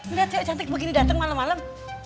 nggak ada cewek cantik begini dateng malem malem